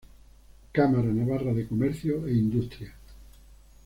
Cámara Navarra de Comercio e Industria